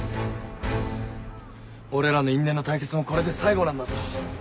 俺らの因縁の対決もこれで最後なんだぞ。